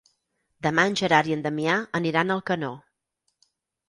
Demà en Gerard i en Damià aniran a Alcanó.